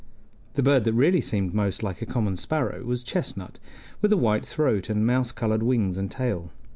The bird that really seemed most like a common sparrow was chestnut, with a white throat and mouse colored wings and tail.